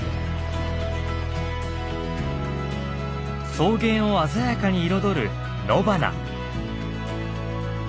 草原を鮮やかに彩る野花。